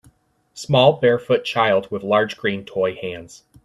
Small barefoot child with large green toy hands.